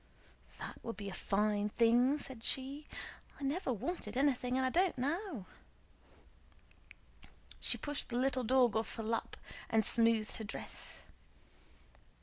"That would be a fine thing!" said she. "I never wanted anything and I don't now." She pushed the little dog off her lap and smoothed her dress.